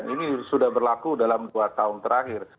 ini sudah berlaku dalam dua tahun terakhir